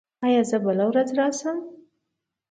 ایا زه بله ورځ راشم؟